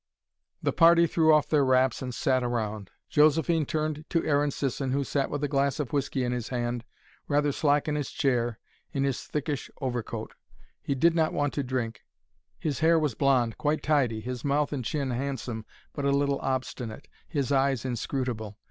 The party threw off their wraps and sat around. Josephine turned to Aaron Sisson, who sat with a glass of whiskey in his hand, rather slack in his chair, in his thickish overcoat. He did not want to drink. His hair was blond, quite tidy, his mouth and chin handsome but a little obstinate, his eyes inscrutable.